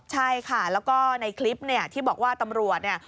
ใช่ค่ะแล้วก็ในคลิปเนี่ยที่บอกว่าตำรวจเนี่ย